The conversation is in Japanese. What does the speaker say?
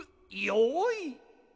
よい。